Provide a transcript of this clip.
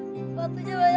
sepatu banyak banget ya